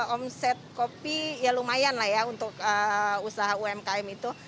omset kopi ya lumayan lah ya untuk usaha umkm itu